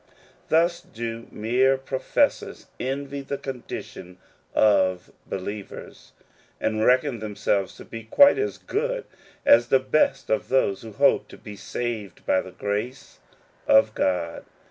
Thus do mere professors envy the condition of believers, and reckon themselves to be quite as good as the best of those who hope to be saved by the grace of God.